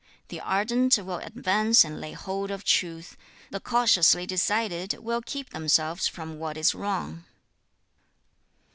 The ardent will advance and lay hold of truth; the cautiously decided will keep themselves from what is wrong.'